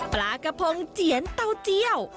ปลากระพงเจียนเต้าเจียว